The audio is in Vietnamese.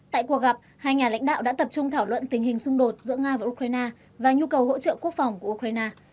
tại cuộc gặp hai nhà lãnh đạo đã tập trung thảo luận tình hình xung đột giữa nga và ukraine và nhu cầu hỗ trợ quốc phòng của ukraine